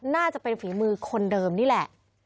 น่าจะเป็นฝีมือคนเดิมนี่แหละ